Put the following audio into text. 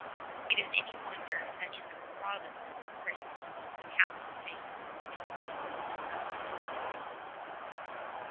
Is it any wonder that in this province of Brittany the Catholic Faith took deep and lasting root?